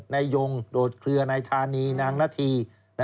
นายยงโดดเคลือนายธานีนางนาธี